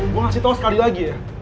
gue ngasih tau sekali lagi ya